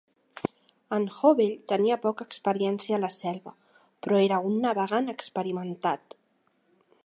En Hovell tenia poca experiència a la selva, però era un navegant experimentat.